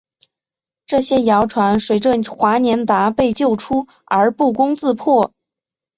但这些谣传随着华年达被救出而不攻自破。